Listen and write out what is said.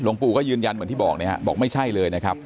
ปู่ก็ยืนยันเหมือนที่บอกนะครับบอกไม่ใช่เลยนะครับ